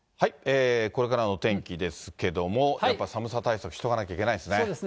これからのお天気ですけども、やっぱ寒さ対策しておかないといけないですね。